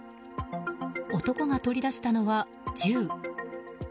男が取り出したのは銃。